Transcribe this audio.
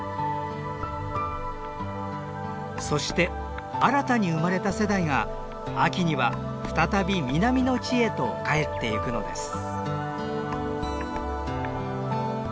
そして新たに生まれた世代が秋には再び南の地へと帰ってゆくのです。